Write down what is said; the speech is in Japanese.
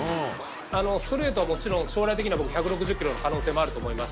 ストレートは僕、将来的には１６０キロの可能性があると思います